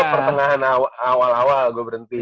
pertengahan awal awal gue berhenti